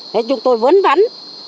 thế chúng tôi vẫn bắn